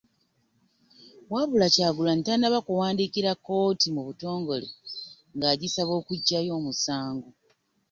Wabula Kyagulanyi tannaba kuwandiikira kkooti mu butongole ng’agisaba okuggyayo omusango.